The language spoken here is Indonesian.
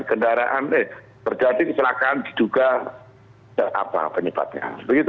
kedaraan terjadi kecelakaan diduga apa penyebabnya